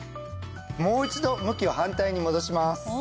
もう一度向きを反対に戻します。